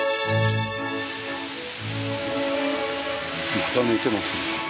また寝てますね。